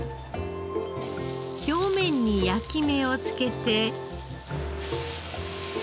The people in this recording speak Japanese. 表面に焼き目をつけて。